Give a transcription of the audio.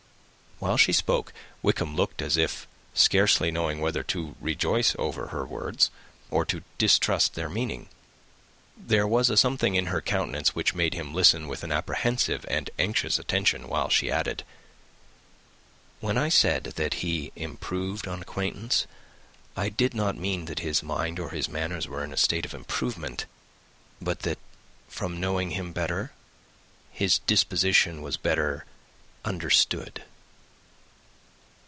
While she spoke, Wickham looked as if scarcely knowing whether to rejoice over her words or to distrust their meaning. There was a something in her countenance which made him listen with an apprehensive and anxious attention, while she added, "When I said that he improved on acquaintance, I did not mean that either his mind or manners were in a state of improvement; but that, from knowing him better, his disposition was better understood."